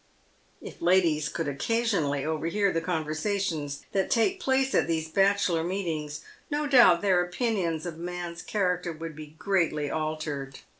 If ladies could occasionally overhear the conversations that take place at these bachelor meetings, no doubt their opinions of man's character would be greatly altered.